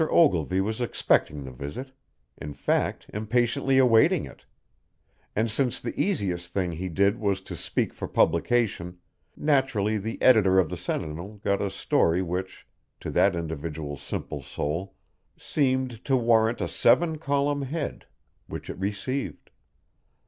Ogilvy was expecting the visit in fact, impatiently awaiting it; and since the easiest thing he did was to speak for publication, naturally the editor of the Sentinel got a story which, to that individual's simple soul, seemed to warrant a seven column head which it received.